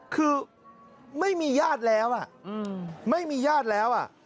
คือไม่มีญาติแล้วไม่มีญาติแล้ว